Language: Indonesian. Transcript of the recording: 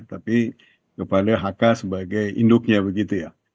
tapi kepada hk sebagai induknya begitu ya